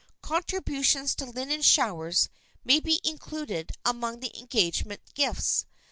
Contributions to linen showers may be included among the engagement gifts.